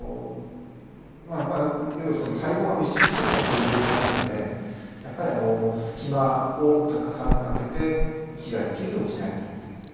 要は細胞が密集しているというのはそういう状態なのでやっぱりあの隙間をたくさん空けて息ができるようにしてあげるっていう。